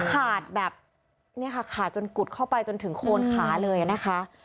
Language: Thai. ขาดแบบเนี่ยค่ะขาดจนกุดเข้าไปจนถึงโคนขาเลยนะคะ